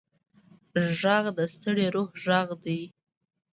غږ د ستړي روح غږ دی